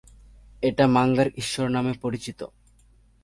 এটা মাঙ্গার ঈশ্বর নামে পরিচিত।